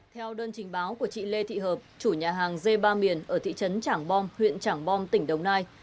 theo đơn trình báo của chị lê thị hợp chủ nhà hàng g ba miền ở thị trấn trảng bom huyện trảng bom tỉnh đồng nai